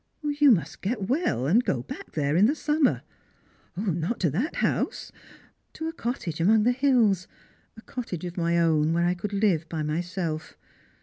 " You must get well, and go back there in the summer." " Not to that house ; to a cottage among the hills, a cottage of my own, where I could live by myself.